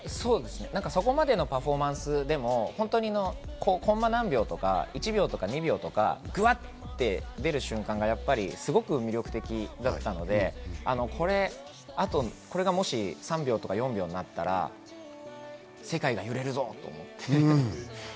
それまでのパフォーマンスでもコンマ何秒とか、１秒とか２秒とか、ぐわって出る瞬間がすごく魅力的だったので、これがもし３秒とか４秒になったら世界が揺れるぞと思って。